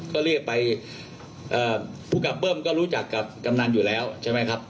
ก็เรียกไปผู้กับเบิ้มก็รู้จักกับกำนันอยู่แล้วใช่ไหมครับ